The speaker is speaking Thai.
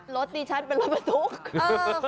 รถดิฉันเป็นรอยมาทุก